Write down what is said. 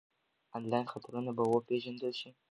انلاین خطرونه به وپېژندل شي.